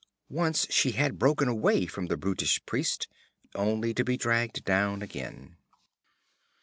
Once she had broken away from the brutish priest, only to be dragged down again.